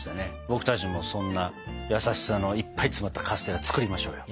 僕たちもそんな優しさのいっぱい詰まったカステラ作りましょうよ。